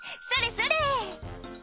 それそれ」